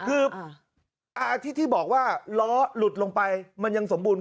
คืออาทิตย์ที่บอกว่าล้อหลุดลงไปมันยังสมบูรณ